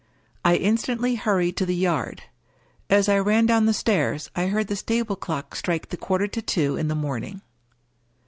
I instantly hurried to the yard. As I ran down the stairs I heard the stable clock strike the quarter to two in the morning.